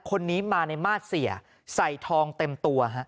คนนี้มาในมาตรเสียใส่ทองเต็มตัวฮะ